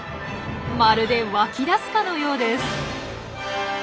まるで湧き出すかのようです。